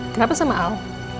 kenapa sama al